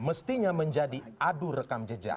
mestinya menjadi adu rekam jejak